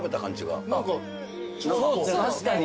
確かに。